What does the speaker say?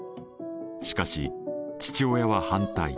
しかし父親は反対。